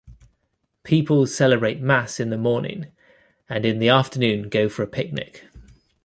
People celebrate mass in the morning, and in the afternoon go for a picnic.